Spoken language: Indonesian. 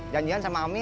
janjian sama kang komar